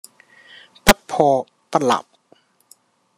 不破不立